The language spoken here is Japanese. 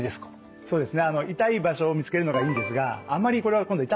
そうですね。